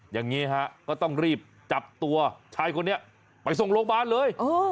อย่างนี้ฮะก็ต้องรีบจับตัวชายคนนี้ไปส่งโรงพยาบาลเลย